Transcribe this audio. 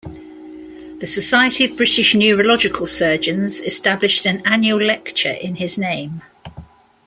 The Society of British Neurological Surgeons established an annual lecture in his name.